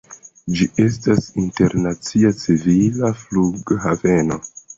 Ĝi estas internacia civila flughaveno.